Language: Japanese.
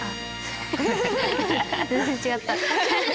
全然違った。